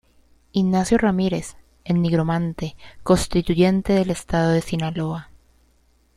Ignacio Ramírez, "El Nigromante", Constituyente del Estado de Sinaloa.